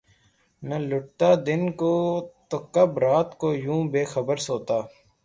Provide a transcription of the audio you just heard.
نہ لٹتا دن کو‘ تو کب رات کو یوں بے خبر سوتا!